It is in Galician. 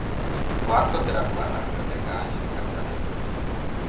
O acto terá lugar na Biblioteca Ánxel Casal.